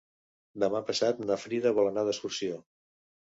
Demà passat na Frida vol anar d'excursió.